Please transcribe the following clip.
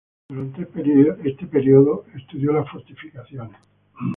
Durante ese período, estudió las fortificaciones.